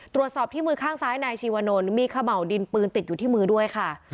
ตรวจสอบที่มือข้างซ้ายนายชีวนลมีเขม่าวดินปืนติดอยู่ที่มือด้วยค่ะ